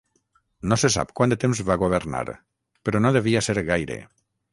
No se sap quant de temps va governar, però no devia ser gaire.